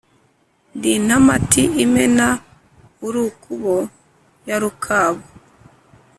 Ndi intamati imena urukubo ya Rukabu